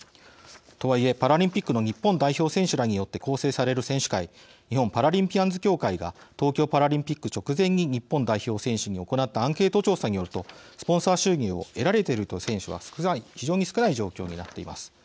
とはいえ、パラリンピックの日本代表選手らによって構成される選手会日本パラリンピアンズ協会が東京パラリンピック直前に日本代表選手に行ったアンケート調査によるとスポンサー収入を得られている選手は非常に少ない状況になっています。